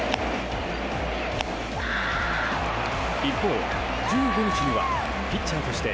一方、１５日にはピッチャーとして